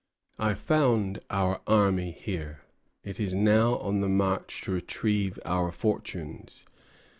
I found our army here. It is now on the march to retrieve our fortunes.